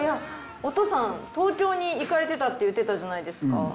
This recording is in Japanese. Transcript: お父さん東京に行かれてたって言ってたじゃないですか。